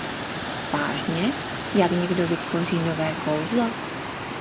Vážně, jak někdo vytvoří nové kouzlo?